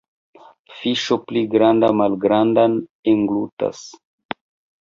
Fiŝo pli granda malgrandan englutas.